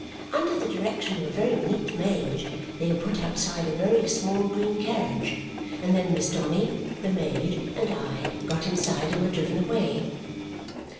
Under the direction of a very neat maid, they were put outside a very small green carriage; and then Miss Donny, the maid, and I got inside and were driven away.